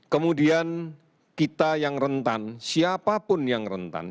kemudian kita yang rentan siapapun yang rentan